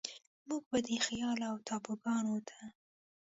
موږ به د خيال و ټاپوګانوته،